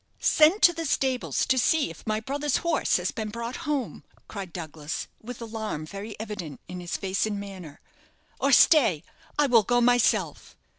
"Send to the stables to see if my brother's horse has been brought home," cried Douglas, with alarm very evident in his face and manner. "Or, stay, I will go myself."